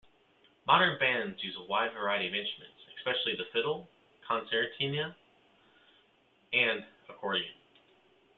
Modern bands use a wide variety of instruments, especially the fiddle, concertina, and accordion.